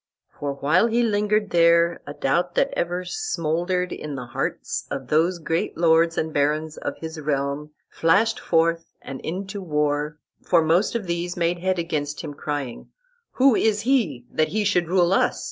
"For while he linger'd there A doubt that ever smoulder'd in the hearts Of those great Lords and Barons of his realm Flash'd forth and into war: for most of these Made head against him, crying, 'Who is he That he should rule us?